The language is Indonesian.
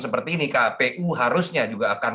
seperti ini kpu harusnya juga akan